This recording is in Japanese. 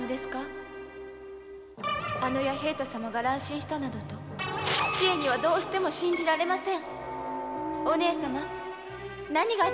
あの弥平太様が乱心したなどとどうしても信じられません。